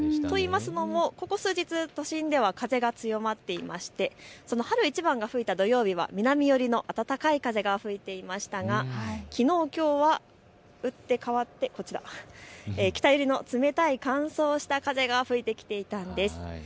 というのもここ数日、都心では風が強まっていてそんな春一番が吹いた土曜日は南寄りの暖かい風が吹いていましたがきのう、きょうは打って変わって北寄りの冷たい乾燥した風が吹いてきていたんです。